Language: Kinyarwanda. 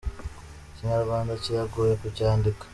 Ikinyarwanda kiragoye kucyandika.